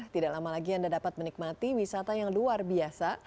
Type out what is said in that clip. tidak lama lagi anda dapat menikmati wisata yang luar biasa